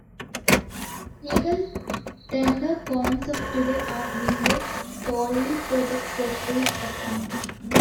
Legal tender coins of today are minted solely for the Treasury's account.